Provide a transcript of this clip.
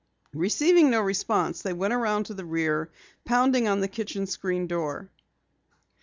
Receiving no response, they went around to the rear, pounding on the kitchen screen door.